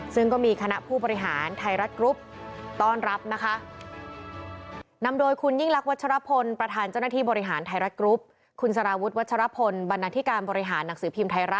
ซึ่งก็มีคณะผู้บริหารไทยรัฐกรุ๊ปต้อนรับนะคะ